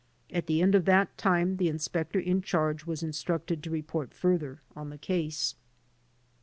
At the end of that time the Inspector in charge was instructed to report further on the case.